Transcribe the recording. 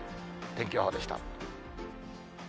天気予報でした。